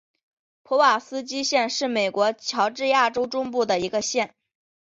普瓦斯基县是美国乔治亚州中部的一个县。